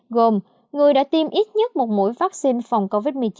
gồm người đã tiêm ít nhất một mũi vaccine phòng covid một mươi chín